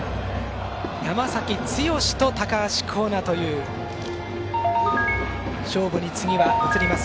山崎剛と高橋光成という勝負に次は移ります。